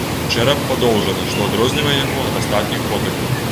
Чэрап падоўжаны, што адрознівае яго ад астатніх котак.